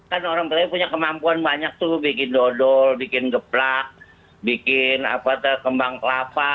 kan orang belanya punya kemampuan banyak tuh bikin dodol bikin geplak bikin kembang kelapa